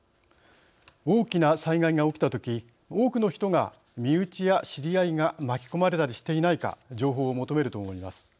大きな災害が起きたとき多くの人が身内や知り合いが巻き込まれたりしていないか情報を求めると思います。